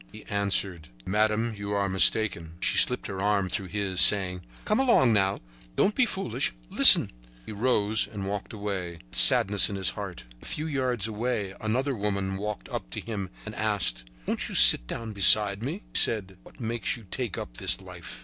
He answered: "Madame, you are mistaken." She slipped her arm through his, saying: "Come along, now; don't be foolish. Listen——" He arose and walked away, with sadness in his heart. A few yards away another woman walked up to him and asked: "Won't you sit down beside me?" He said: "What makes you take up this life?"